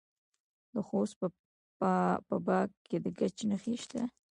د خوست په باک کې د ګچ نښې شته.